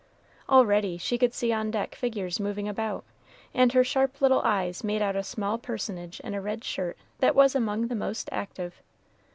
Already she could see on deck figures moving about, and her sharp little eyes made out a small personage in a red shirt that was among the most active.